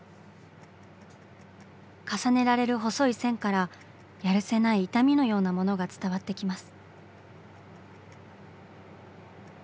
重ねられる細い線からやるせない痛みのようなものが伝わってきます。